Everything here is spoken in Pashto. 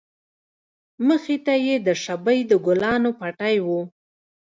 مخې ته يې د شبۍ د گلانو پټى و.